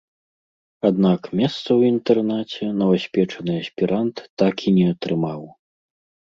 Аднак месца ў інтэрнаце новаспечаны аспірант так і не атрымаў.